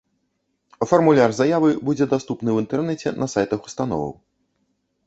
Фармуляр заявы будзе даступны ў інтэрнэце на сайтах установаў.